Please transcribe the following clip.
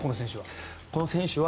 この選手は。